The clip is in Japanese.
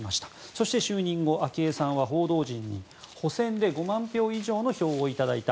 そして就任後、昭恵さんは報道陣に補選で５万票以上の票をいただいた。